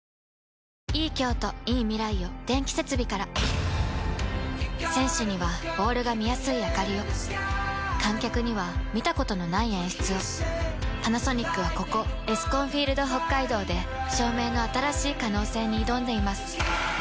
グリップあっ選手にはボールが見やすいあかりを観客には見たことのない演出をパナソニックはここエスコンフィールドＨＯＫＫＡＩＤＯで照明の新しい可能性に挑んでいます